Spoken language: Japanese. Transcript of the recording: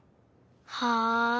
はい。